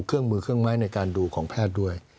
เครื่องมือเครื่องไม้ในการดูของแพทย์ด้วย